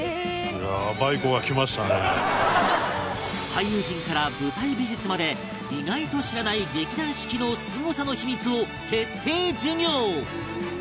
俳優陣から舞台美術まで意外と知らない劇団四季のすごさの秘密を徹底授業